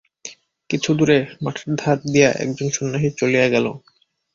কিছু দূরে মাঠের ধার দিয়া একজন সন্ন্যাসী চলিয়া গেল।